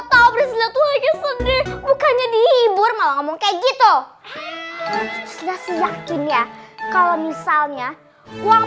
tahu berhasil itu hanya sendiri bukannya dihibur ngomong kayak gitu yakin ya kalau misalnya uang